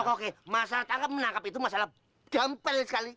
pokoknya masalah tangkap menangkap itu masalah gampang sekali